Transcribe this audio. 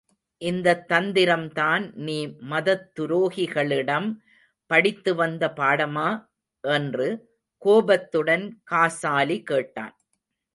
இந்தத் தந்திரம்தான் நீ மதத்துரோகிகளிடம் படித்து வந்த பாடமா? என்று கோபத்துடன் காசாலி கேட்டான்.